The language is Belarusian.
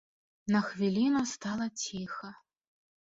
На хвіліну стала ціха.